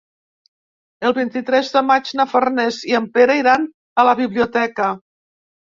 El vint-i-tres de maig na Farners i en Pere iran a la biblioteca.